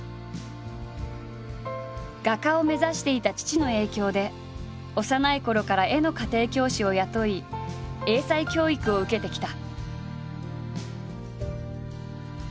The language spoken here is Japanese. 画家を目指していた父の影響で幼いころから絵の家庭教師を雇い英才教育を受けてきた。